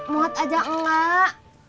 muat aja enggak